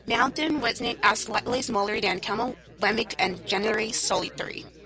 Mountain wemics are slightly smaller than common wemics and generally solitary.